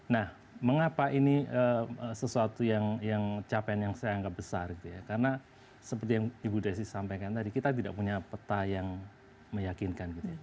nah mengapa ini sesuatu yang capaian yang saya anggap besar gitu ya karena seperti yang ibu desi sampaikan tadi kita tidak punya peta yang meyakinkan gitu ya